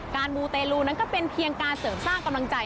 มูเตลูนั้นก็เป็นเพียงการเสริมสร้างกำลังใจ